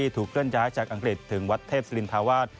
เคลื่อนย้ายจากอังกฤษถึงวัดเทพศิรินทาวาส